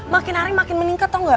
makin hari makin meningkat tau gak